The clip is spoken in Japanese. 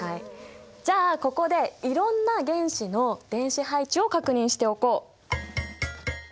じゃあここでいろんな原子の電子配置を確認しておこう。